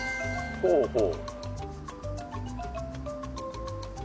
ほうほう。